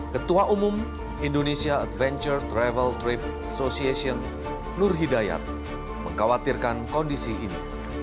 ketua umum indonesia adventure travel trip association nur hidayat mengkhawatirkan kondisi ini